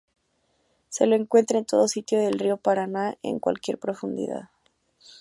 Se lo encuentra en todo sitio del río Paraná, en cualquier profundidad.